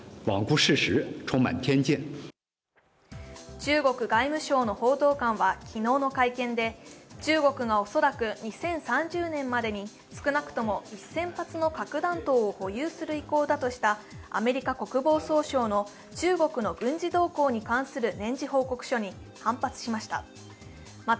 中国外務省の報道官は昨日の会見で、中国が恐らく２０３０年までに少なくとも１０００発の核弾頭を保有する意向だとしたアメリカ国防総省の中国の軍事動向に関する年次報告書に反発じつした。